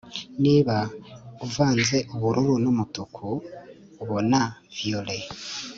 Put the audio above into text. niba uvanze ubururu n'umutuku, ubona violet